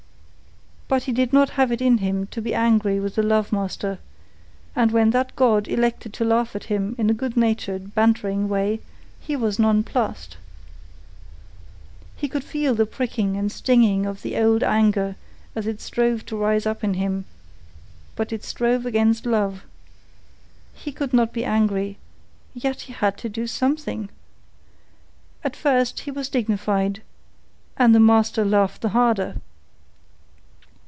But he did not have it in him to be angry with the love master, and when that god elected to laugh at him in a good natured, bantering way, he was nonplussed. He could feel the pricking and stinging of the old anger as it strove to rise up in him, but it strove against love. He could not be angry; yet he had to do something. At first he was dignified, and the master laughed the harder.